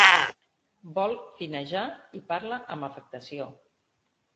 Vol finejar i parla amb afectació.